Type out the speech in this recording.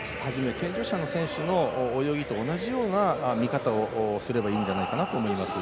健常者の選手の泳ぎと同じような見方をすればいいんじゃないかなと思います。